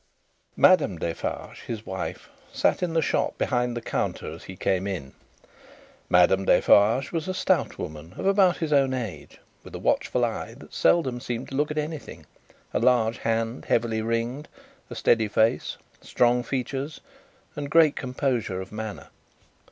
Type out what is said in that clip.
Madame Defarge, his wife, sat in the shop behind the counter as he came in. Madame Defarge was a stout woman of about his own age, with a watchful eye that seldom seemed to look at anything, a large hand heavily ringed, a steady face, strong features, and great composure of manner.